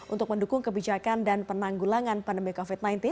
untuk mendukung kebijakan dan penanggulangan pandemi covid sembilan belas